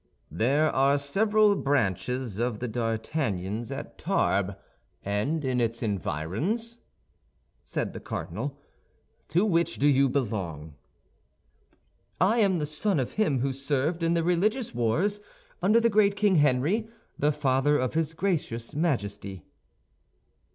"There are several branches of the D'Artagnans at Tarbes and in its environs," said the cardinal; "to which do you belong?" "I am the son of him who served in the Religious Wars under the great King Henry, the father of his gracious Majesty."